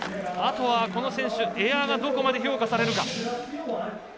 あとは、この選手、エアがどこまで評価されるか。